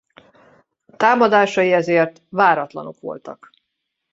Támadásai ezért váratlanok voltak.